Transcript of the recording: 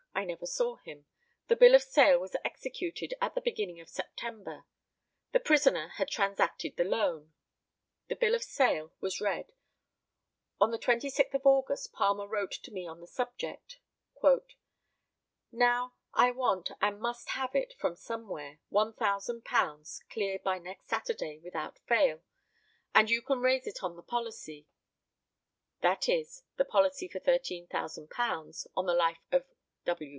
I never saw him. The bill of sale was executed at the beginning of September. The prisoner had transacted the loan. [The bill of sale was read.] On the 26th of August Palmer wrote to me on the subject: "Now, I want, and must have it from somewhere, £1,000 clear by next Saturday without fail, and you can raise it on the policy (viz. the policy for £13,000 on the life of W.